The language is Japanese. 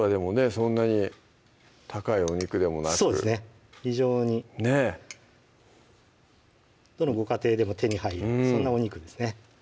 そんなに高いお肉でもなく非常にねぇどのご家庭でも手に入るそんなお肉ですね